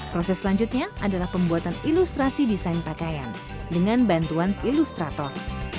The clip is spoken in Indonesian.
proses selanjutnya adalah pembuatan ilustrasi desain pakaian dengan bantuan ilustrator